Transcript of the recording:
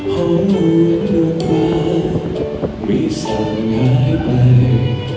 ขอบคุณลูกรักไม่ส่งหายไป